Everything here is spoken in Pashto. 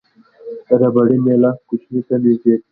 ربړي میله پوکڼۍ ته نژدې کړئ.